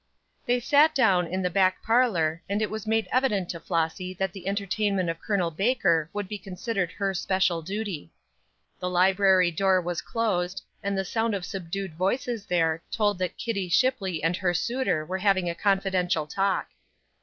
They sat down in the back parlor, and it was made evident to Flossy that the entertainment of Col. Baker would be considered her special duty. The library door was closed, and the sound of subdued voices there told that Kitty Shipley and her suitor were having a confidential talk.